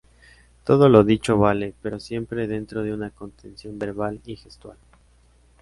Todo lo dicho vale pero siempre dentro de una contención verbal y gestual.